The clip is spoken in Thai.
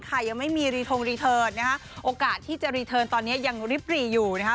ยังไม่มีรีทงรีเทิร์นนะคะโอกาสที่จะรีเทิร์นตอนนี้ยังริบหรี่อยู่นะคะ